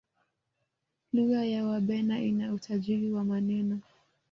lugha ya wabena ina utajiri wa maneno